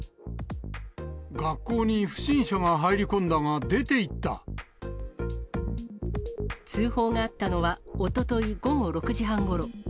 学校に不審者が入り込んだが、通報があったのは、おととい午後６時半ごろ。